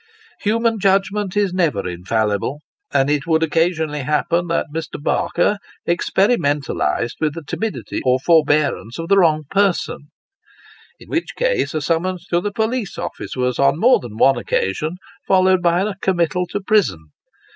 Human judgment is never infallible, and it would occasionally happen that Mr. Barker experimentalised with the timidity or for bearance of the wrong person, in which case a summons to a Police office, was, on more than one occasion, followed by a committal to prison.